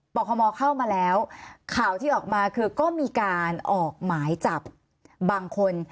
คมเข้ามาแล้วข่าวที่ออกมาคือก็มีการออกหมายจับบางคน